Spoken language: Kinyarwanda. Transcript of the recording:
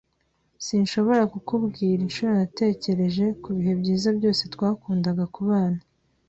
Sinshobora kukubwira inshuro natekereje kubihe byiza byose twakundaga kubana.